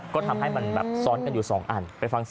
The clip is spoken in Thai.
ก็ทำให้มันแบบซ้อนกันอยู่๒อัน